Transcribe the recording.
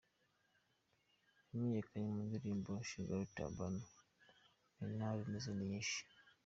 Yamenyekanye mu ndirimbo Cigarette Abana, Nanale, n’izindi nyinshi.